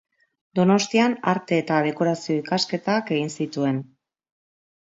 Donostian arte eta dekorazio ikasketak egin zituen.